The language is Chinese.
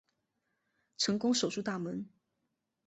成功守住大门